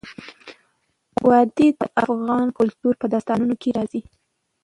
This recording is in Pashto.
وادي د افغان کلتور په داستانونو کې راځي.